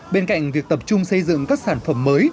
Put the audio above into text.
bên cạnh việc tập trung xây dựng các sản phẩm mới